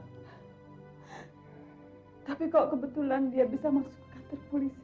tapi kok kebetulan dia bisa masuk ke kantor polisi